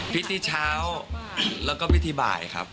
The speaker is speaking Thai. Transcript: พริกที่เช้าแล้วก็พริกที่บ่ายครับ